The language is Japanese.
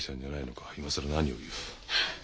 今更何を言う。